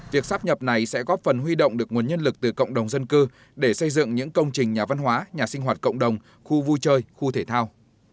việc sắp nhập này sẽ góp phần huy động được nguồn nhân lực từ cộng đồng dân cư để xây dựng những công trình nhà văn hóa nhà sinh hoạt cộng đồng khu vui chơi khu thể thao